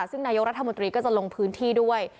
ซึ่งนายกรัฐมนตรีก็จะลงพื้นที่ด้วย